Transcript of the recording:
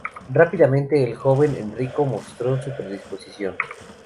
Rápidamente el joven Enrico mostró su predisposición.